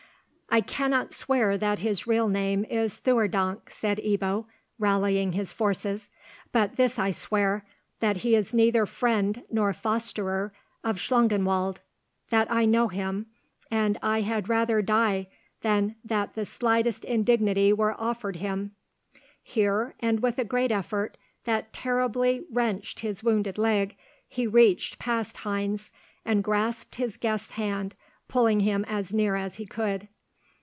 "I cannot swear that his real name is Theurdank," said Ebbo, rallying his forces, "but this I swear, that he is neither friend nor fosterer of Schlangenwald, that I know him, and I had rather die than that the slightest indignity were offered him." Here, and with a great effort that terribly wrenched his wounded leg, he reached past Heinz, and grasped his guest's hand, pulling him as near as he could.